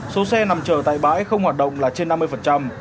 số xe nằm chờ tại bãi không hoạt động là trên năm mươi